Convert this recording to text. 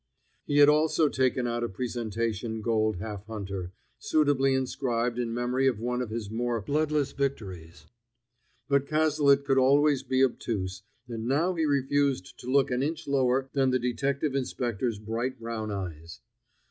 He had also taken out a presentation gold half hunter, suitably inscribed in memory of one of his more bloodless victories. But Cazalet could always be obtuse, and now he refused to look an inch lower than the detective inspector's bright brown eyes.